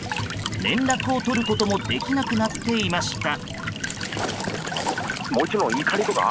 連絡を取ることもできなくなっていました。